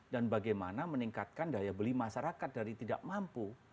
dan bagaimana meningkatkan daya beli masyarakat dari tidak mampu